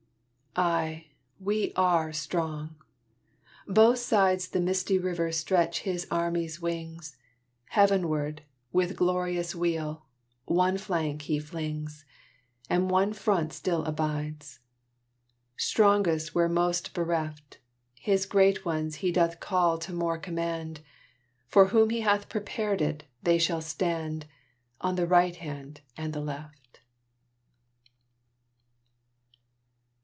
Ay, we are strong! Both sides The misty river stretch His army's wings: Heavenward, with glorious wheel, one flank He flings; And one front still abides! Strongest where most bereft! His great ones He doth call to more command. For whom He hath prepared it, they shall stand On the Right Hand and Left!